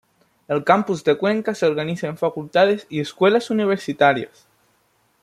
El Campus de Cuenca se organiza en facultades y escuelas universitarias.